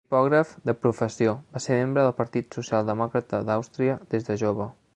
Tipògraf de professió, va ser membre del Partit Socialdemòcrata d'Àustria des de jove.